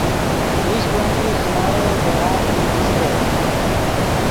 میش بہ میش ژینارے گران ای ایستے